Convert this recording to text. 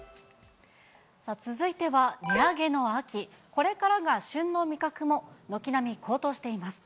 さあ、続いては値上げの秋、これからが旬の味覚も軒並み高騰しています。